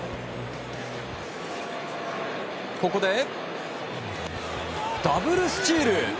ここでダブルスチール。